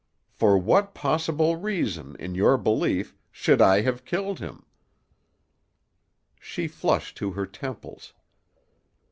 For what possible reason, in your belief, should I have killed him?" She flushed to her temples.